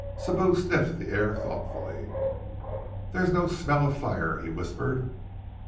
Sibou sniffed the air thoughtfully. "There is no smell of fire," he whispered.